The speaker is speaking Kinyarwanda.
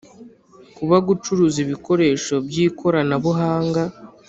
Kuba gucuruza ibikoresho by ikoranabuhanga